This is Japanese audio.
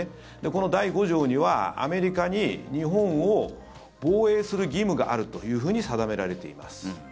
この第５条にはアメリカに日本を防衛する義務があるというふうに定められています。